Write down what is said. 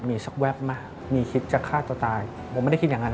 มีสักแวบมั้ยมีคิดจะฆ่าตัวตายผมไม่ได้คิดอย่าง